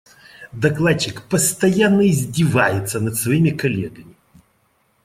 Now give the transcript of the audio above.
Докладчик постоянно издевается над своими коллегами.